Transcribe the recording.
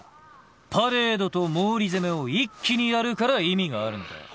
パレードと毛利攻めを一気にやるから意味があるのだ。